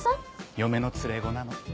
嫁の連れ子なの。